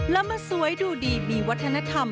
แล้วมาสวยดูดีมีวัฒนธรรม